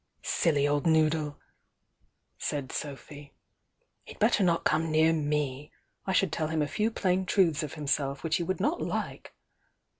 " "Silly old noodle!" said Sophy. "He'd better not come near me!— I should tell him a few plain truths of himself which he would not like!"